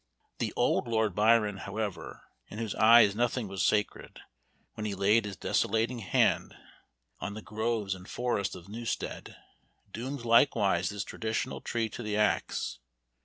The "old Lord Byron," however, in whose eyes nothing was sacred, when he laid his desolating hand on the groves and forests of Newstead, doomed likewise this traditional tree to the axe.